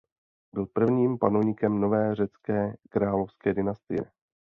Byl prvním panovníkem nové řecké královské dynastie.